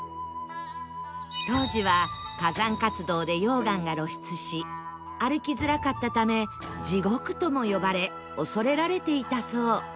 当時は火山活動で溶岩が露出し歩きづらかったため地獄とも呼ばれ恐れられていたそう